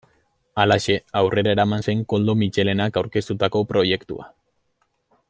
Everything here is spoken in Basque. Halaxe, aurrera eraman zen Koldo Mitxelenak aurkeztutako proiektua.